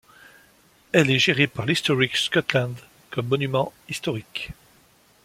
Elle est gérée par l'Historic Scotland comme Monument Historique.